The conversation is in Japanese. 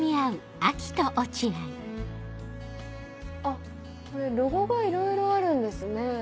あっこれロゴがいろいろあるんですね。